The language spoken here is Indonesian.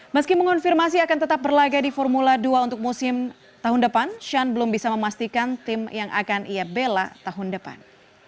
meski mengonfirmasi akan tetap berlaga di formula dua untuk musim tahun depan shan belum bisa memastikan tim yang akan ia bela tahun depan